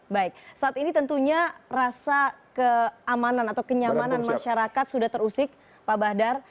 baik saat ini tentunya rasa keamanan atau kenyamanan masyarakat sudah terusik pak bahdar